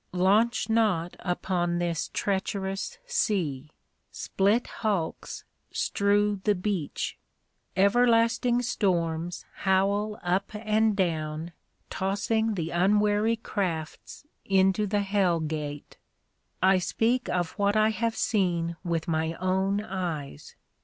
Launch not upon this treacherous sea. Split hulks strew the beach. Everlasting storms howl up and down, tossing the unwary crafts into the Hell gate. I speak of what I have seen with my own eyes.